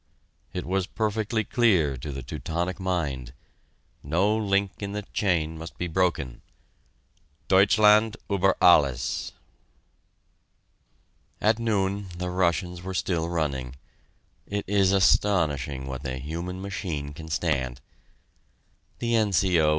It was perfectly clear to the Teutonic mind. No link in the chain must be broken. Deutschland über Alles! At noon the Russians were still running it is astonishing what the human machine can stand! The N.C.O.